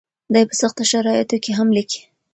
دی په سختو شرایطو کې هم لیکي.